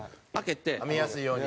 見やすいように。